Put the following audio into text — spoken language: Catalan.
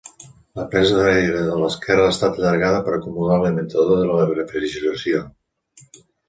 La presa d'aire de l'esquerra ha estat allargada per acomodar l'alimentador de la refrigeració.